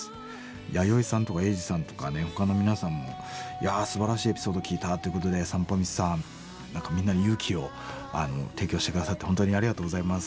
ヤヨイさんとかエイジさんとかほかの皆さんもいやあすばらしいエピソード聞いたっていうことでサンポミチさん何かみんなに勇気を提供して下さって本当にありがとうございます。